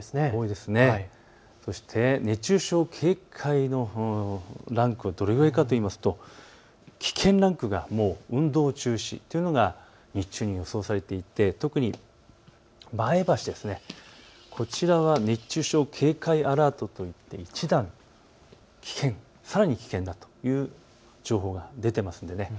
そして熱中症警戒のランクはどれくらいかといいますと、危険ランクが運動中止というのが日中、予想されていて特に前橋、こちらは熱中症警戒アラートといって一段さらに危険だという情報が出ています。